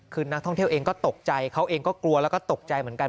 คือนักท่องเที่ยวเองก็ตกใจเขาเองก็กลัวแล้วก็ตกใจเหมือนกัน